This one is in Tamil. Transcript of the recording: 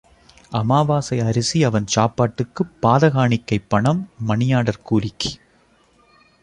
அமாவாசை அரிசி அவன் சாப்பாட்டுக்குப் பாத காணிக்கை பணம் மணியார்டர் கூலிக்கு.